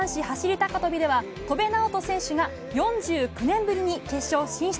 高跳びでは戸辺直人選手が４９年ぶりに決勝進出。